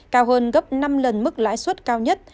cao hơn gấp năm lần mức lãi suất cao nhất